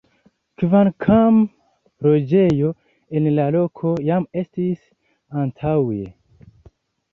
Kvankam loĝejo en la loko jam estis antaŭe.